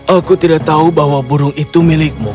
aku tidak tahu bahwa burung itu milikmu